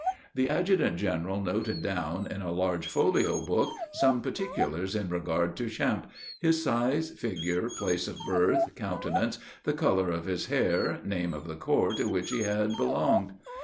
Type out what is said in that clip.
The adjutant general noted down, in a large folio book, some particulars in regard to Champe his size, figure, place of birth, countenance, the color of his hair, name of the corps to which he had belonged.